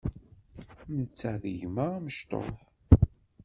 Netta d gma amecṭuḥ.